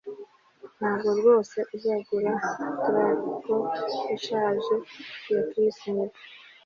Ntabwo rwose uzagura traktor ishaje ya Chris nibyo